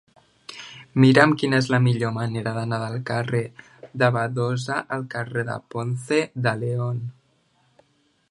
Mira'm quina és la millor manera d'anar del carrer de Badosa al carrer de Ponce de León.